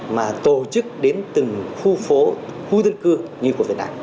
mà tổ chức đến từng khu phố khu dân cư như của việt nam